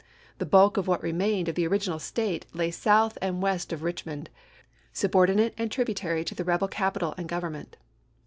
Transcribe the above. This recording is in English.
The bulk of what remained of the original State lay south and west of Rich mond, subordinate and tributary to the rebel capital and Government.